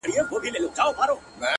اور او اوبه یې د تیارې او د رڼا لوري;